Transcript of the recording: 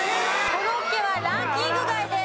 コロッケはランキング外です。